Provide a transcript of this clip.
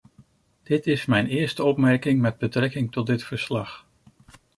Dit is mijn eerste opmerking met betrekking tot dit verslag.